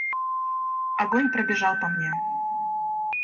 Огонь пробежал по мне.